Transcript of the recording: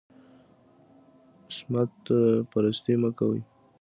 سمت پرستي مه کوئ